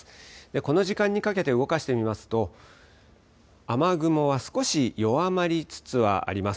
この時間にかけて動かしてみますと雨雲は少し弱まりつつはあります。